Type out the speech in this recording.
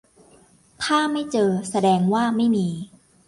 ถ้าไม่เจอแสดงว่าไม่มี